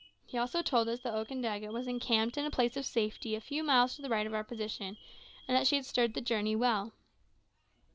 He also told us that Okandaga was encamped in a place of safety a few miles to the right of our position, and that she had stood the journey well.